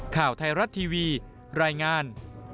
ข่าวไทยรัฐทีวีรายงาน